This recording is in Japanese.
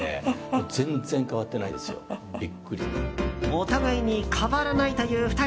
お互いに変わらないという２人。